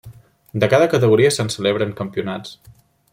De cada categoria se'n celebren campionats.